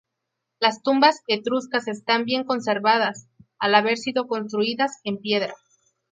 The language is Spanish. Las tumbas etruscas están bien conservadas, al haber sido construidas en piedra.